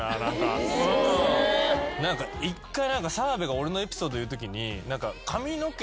何か１回澤部が俺のエピソード言うときに髪の毛